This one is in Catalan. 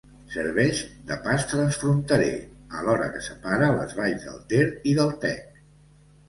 Serveix de pas transfronterer, alhora que separa les valls del Ter i del Tec.